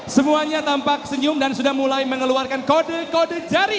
semuanya tampak senyum dan sudah mulai mengeluarkan kode kode jari